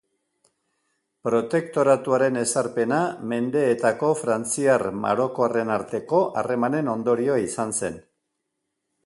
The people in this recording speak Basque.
Protektoratuaren ezarpena mendeetako frantziar-marokoarren arteko harremanen ondorioa izan zen.